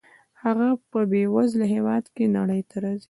هغه په بې وزله هېواد کې نړۍ ته راځي.